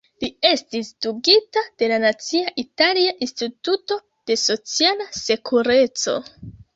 Li estis dungita de la Nacia Italia Instituto de Sociala Sekureco.